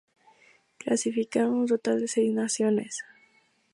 Clasificaron un total de seis naciones.